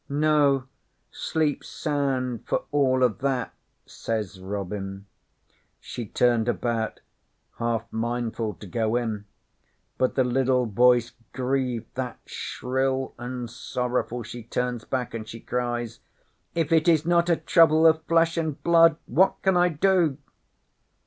'"No. Sleep sound for all o' that," says Robin. 'She turned about, half mindful to go in, but the liddle voices grieved that shrill an' sorrowful she turns back, an' she cries: "If it is not a Trouble of Flesh an' Blood, what can I do?"